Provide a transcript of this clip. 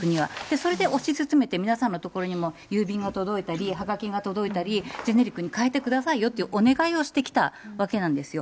それで推し進めて、皆さんの所にも郵便が届いたり、はがきが届いたり、ジェネリックに変えてくださいよというお願いをしてきたわけなんですよ。